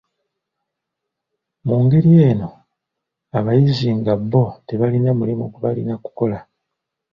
Mu ngeri eno abayizi nga bbo tebaalina mulimu gwe baalina kukola.